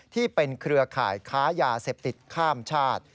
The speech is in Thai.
เครือข่ายค้ายาเสพติดข้ามชาติ